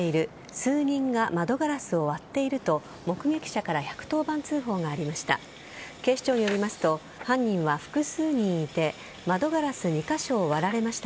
数人が窓ガラスを割っていると目撃者から１１０番通報がありました。